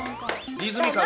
リズミカルに。